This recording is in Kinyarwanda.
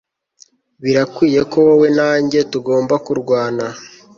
Birakwiye ko wowe na njye tugomba kurwana